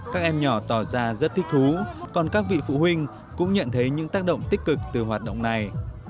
các em nhỏ tỏ ra rất thích thú còn các vị phụ huynh cũng nhận thấy những tác động tích cực từ hoạt động này